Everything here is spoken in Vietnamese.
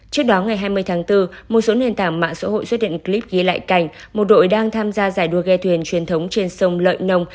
trước đó ngày hai mươi tháng bốn một số nền tảng mạng xã hội xuất hiện clip ghi lại cảnh một đội đang tham gia giải đua ghe thuyền truyền thống trên sông lợi nông